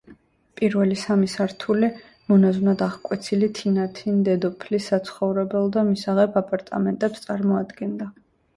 პირველი სამი სართული მონაზვნად აღკვეცილი თინათინ დედოფლის საცხოვრებელ და მისაღებ აპარტამენტებს წარმოადგენდა.